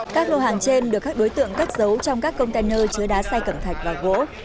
các lô hàng trên được các đối tượng cất giấu trong các container chứa đá say cẩm thạch và gỗ